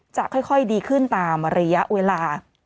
จะค่อยดีขึ้นตามระยะเวลา